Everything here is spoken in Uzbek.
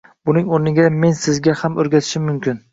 Buning o’rniga men sizga ham o’rgatishim mumkin.